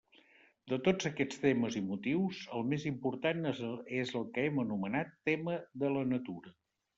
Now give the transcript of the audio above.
De tots aquests temes i motius, el més important és el que hem anomenat tema de la natura.